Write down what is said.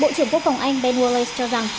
bộ trưởng quốc phòng anh ben wallace cho rằng